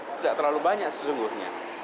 tidak terlalu banyak sesungguhnya